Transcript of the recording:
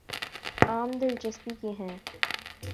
عام دلچسپی کی ہیں